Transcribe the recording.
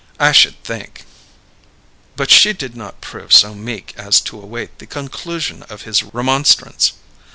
I should think " But she did not prove so meek as to await the conclusion of his remonstrance.